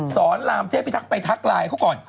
สอนรามเทพิทักษ์ไปทักไลน์เขาก่อน